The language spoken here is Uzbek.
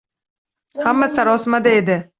Hamma sarosimada edi.